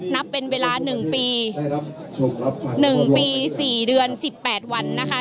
นับเป็นเวลาหนึ่งปีหนึ่งปีสี่เดือนสิบแปดวันนะคะ